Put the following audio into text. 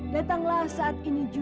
tetapi mesin untuk biru